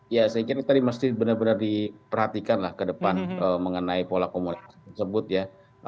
ya saya kira tadi mesti benar benar diperhatikan lah ke depan mengenai pola komunikasi tersebut ya